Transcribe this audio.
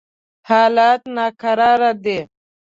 حالات ناکراره دي.